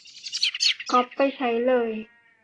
ก๊อปไปใช้เลย